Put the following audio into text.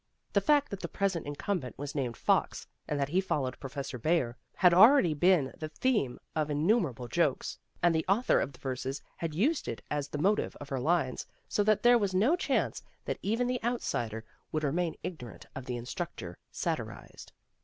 The fact that the present incumbent was named Fox, and that he followed Professor Baer, had already been the theme of innumerable jokes, and the author of the verses had used it as the A PARTIAL ECLIPSE 259 motive of her lines, so that there was no chance that even the outsider would remain ignorant of the instructor satirized.